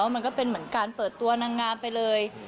มันก็เป็นเหมือนการเปิดตัวนางงามไปเลย